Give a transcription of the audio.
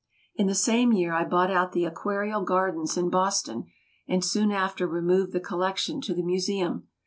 In the same year, I bought out the Aquarial Gardens in Boston, and soon after removed the collection to the Museum.